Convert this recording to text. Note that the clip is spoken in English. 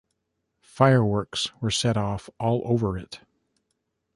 Fireworks were set off all over it.